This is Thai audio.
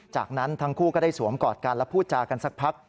จากนั้นทั้งคู่ก็ได้สวมกอดกันและพูดจากันสักพัก